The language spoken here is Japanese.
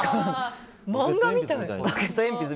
漫画みたい。